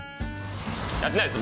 やってないです